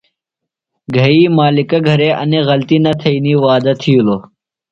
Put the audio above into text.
گھئی مالِکہ گھرے انیۡ غلطی نہ تھئینی وعدہ تِھیلوۡ۔